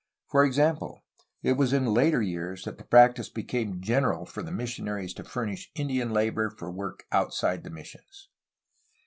For example, it was in later years that the practice became general for the missionaries to furnish Indian labor for work outside the missions.